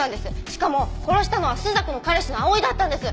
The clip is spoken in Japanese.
しかも殺したのは朱雀の彼氏の葵だったんです。